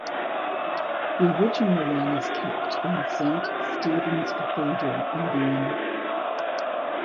The original one is kept in Saint Stephen's Cathedral in Vienna.